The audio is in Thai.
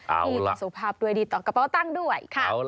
ที่มีสุขภาพด้วยดีต่อกระเป๋าตั้งด้วยค่ะ